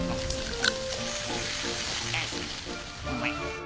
うまい。